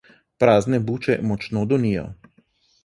Prazne buče močno donijo.